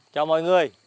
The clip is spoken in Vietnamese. chào mọi người